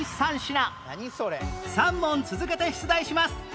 ３問続けて出題します